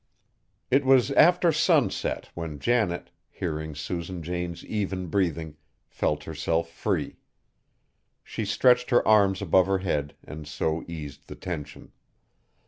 It was after sunset, when Janet, hearing Susan Jane's even breathing, felt herself free. She stretched her arms above her head and so eased the tension.